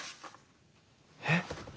えっ。